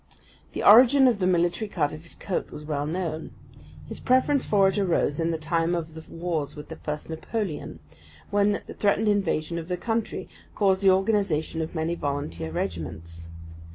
The origin of the military cut of his coat was well known. His preference for it arose in the time of the wars of the first Napoleon, when the threatened invasion of the country caused the organisation of many volunteer regiments.